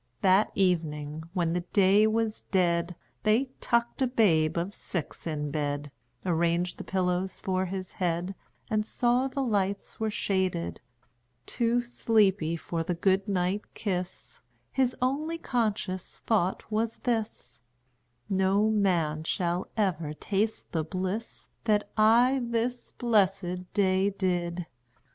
That evening, when the day was dead, They tucked a babe of six in bed, Arranged the pillows for his head, And saw the lights were shaded; Too sleepy for the Good night kiss His only conscious thought was this: "No man shall ever taste the bliss That I this blessed day did."